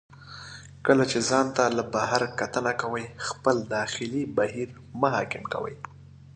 کله چې ځان ته له بهر کتنه کوئ، خپل داخلي بهیر مه حاکم کوئ.